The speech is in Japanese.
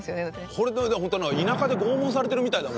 これ本当田舎で拷問されてるみたいだもんね